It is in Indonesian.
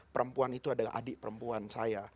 perempuan itu adalah adik perempuan saya